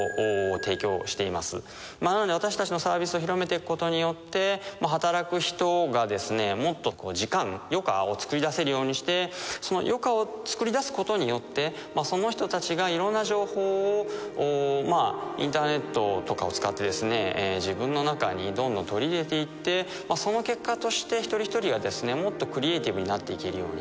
なので私たちのサービスを広めていくことによって働く人がもっと時間余暇を作り出せるようにしてその余暇を作り出すことによってその人たちがいろんな情報をインターネットとかを使って自分の中にどんどん取り入れていってその結果として一人一人がもっとクリエイティブになっていけるように。